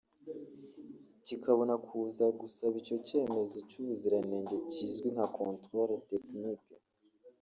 kikabona kuza gusaba icyo cyemezo cy’ubuziranenge kizwi nka Controle technique